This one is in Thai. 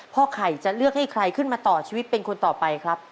ไข่จะเลือกให้ใครขึ้นมาต่อชีวิตเป็นคนต่อไปครับ